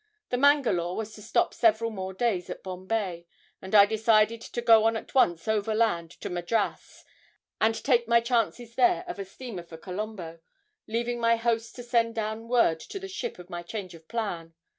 The "Mangalore" was to stop several more days at Bombay, and I decided to go on at once overland to Madras and take my chance there of a steamer for Colombo, leaving my hosts to send down word to the ship of my change of plan.